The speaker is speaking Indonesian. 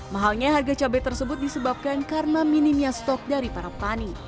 mahalnya harga cabai tersebut disebabkan karena minimnya stok dari para petani